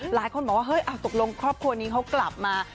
หลายคนบอกว่าเฮ้ยตกลงครอบครัวนี้เขากลับมา